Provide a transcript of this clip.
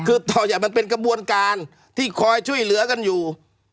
คือต่อใหญ่มันเป็นกระบวนการที่คอยช่วยเหลือกันอยู่